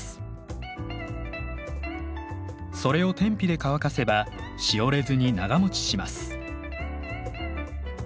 それを天日で乾かせばしおれずに長もちします。